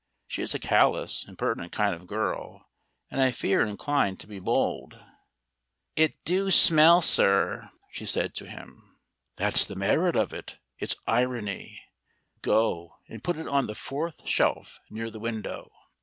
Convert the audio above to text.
She is a callous, impertinent kind of girl, and I fear inclined to be bold. "It do smell, sir," she said to him. "That's the merit of it. It's irony. Go and put it on the fourth shelf near the window.